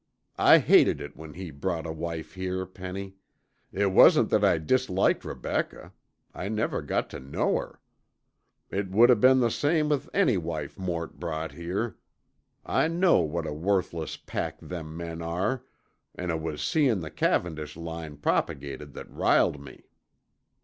I hated it when he brought a wife here, Penny. It wasn't that I disliked Rebecca; I never got tuh know her. It would o' been the same with any wife Mort brought here. I know what a worthless pack them men are, an' it was seein' the Cavendish line propagated that riled me."